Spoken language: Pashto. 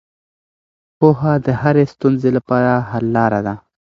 پوهه د هرې ستونزې لپاره حل لاره ده.